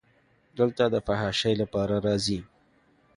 دلته د فحاشۍ لپاره راځي.